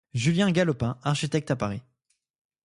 Julien Galopin architecte à Paris.